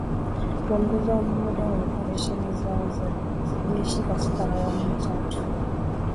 Kuongeza muda wa operesheni zao za kijeshi katika awamu ya tatu